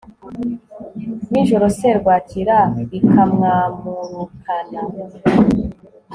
nijoro serwakira ikamwamurukana